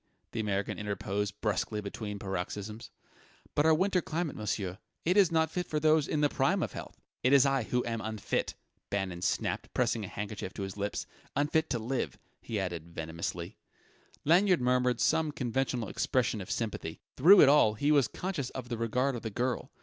the American interposed brusquely between paroxysms. "But our winter climate, monsieur it is not fit for those in the prime of health " "It is I who am unfit!" Bannon snapped, pressing a handkerchief to his lips "unfit to live!" he amended venomously. Lanyard murmured some conventional expression of sympathy. Through it all he was conscious of the regard of the girl.